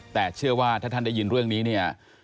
แต่เชื่อว่าถ้าท่านได้ยินเรื่องนี้เนี่ย